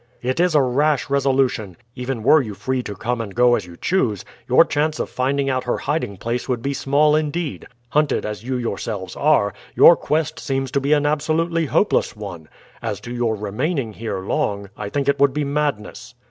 "It is a rash resolution. Even were you free to come and go as you choose, your chance of finding out her hiding place would be small indeed hunted as you yourselves are, your quest seems to be an absolutely hopeless one. As to your remaining here long, I think it would be madness.